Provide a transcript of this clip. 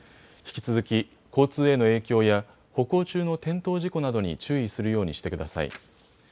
引き続き交通への影響や歩行中の転倒事故などに注意するようにしてください。